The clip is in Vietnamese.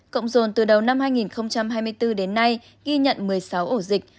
cộng dồn từ đầu năm hai nghìn hai mươi bốn đến nay ghi nhận một mươi sáu ổ dịch